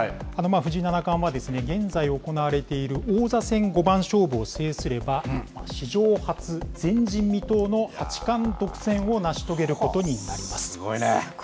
藤井七冠は、現在行われている王座戦五番勝負を制すれば、史上初、前人未到の八冠独占を成し遂げるすごいね。